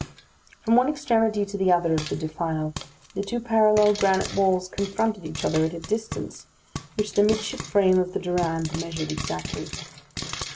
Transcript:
From one extremity to the other of the defile, the two parallel granite walls confronted each other at a distance which the midship frame of the Durande measured exactly.